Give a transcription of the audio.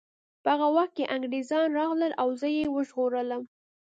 په هغه وخت کې انګریزان راغلل او زه یې وژغورلم